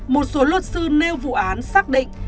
một số luật sư nêu vụ án xác định